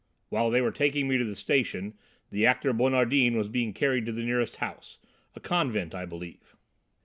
While they were taking me to the station, the actor Bonardin was being carried to the nearest house, a convent, I believe."